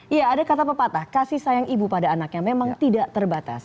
iya ada kata pepatah kasih sayang ibu pada anaknya memang tidak terbatas